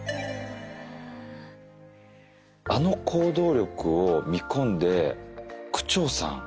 あの行動力を見込んで区長さん